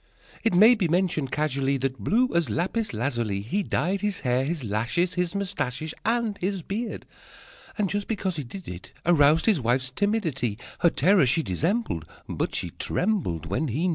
It may be mentioned, casually, That blue as lapis lazuli He dyed his hair, his lashes, His mustaches, And his beard. And, just because he did it, he Aroused his wife's timidity: Her terror she dissembled, But she trembled When he neared.